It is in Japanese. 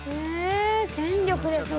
戦力ですね。